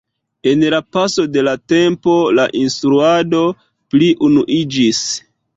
En la paso de la tempo la instruado pli unuiĝis.